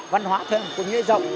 văn hóa thường cũng nghĩa rộng